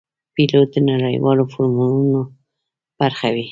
پیلوټ د نړیوالو فورمونو برخه وي.